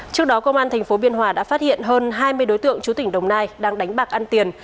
trước đó công an tp biên hòa đã phát hiện hơn hai mươi đối tượng chú tỉnh đồng nai đang đánh bạc ăn tiền